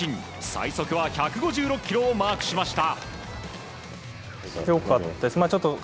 最速は１５６キロをマークしました。